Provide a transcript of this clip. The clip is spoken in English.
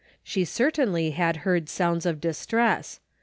She certainly had heard sounds of distress.